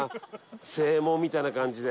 正門みたいな感じで。